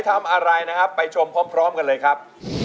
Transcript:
ทำอะไรนะครับไปชมพร้อมกันเลยครับ